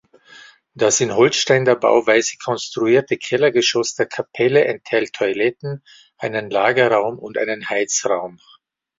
Das in Holzständerbauweise konstruierte Kellergeschoss der Kapelle enthält Toiletten, eine Lagerraum und einen Heizraum.